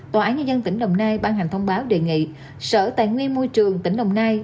tòa án nhân dân tỉnh đồng nai ban hành thông báo đề nghị sở tài nguyên môi trường tỉnh đồng nai